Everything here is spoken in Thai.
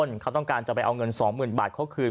เขามีความต้องการมาเอาเงินปืนสองหมื่นบาททั่วคืน